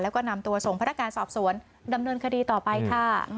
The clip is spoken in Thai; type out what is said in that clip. แล้วก็นำตัวส่งพนักงานสอบสวนดำเนินคดีต่อไปค่ะ